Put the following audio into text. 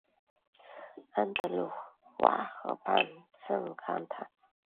安德鲁瓦河畔圣康坦。